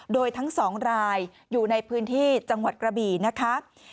โดยทั้ง๒รายอยู่ในพื้นที่จังหวัดกระบี่นะคะ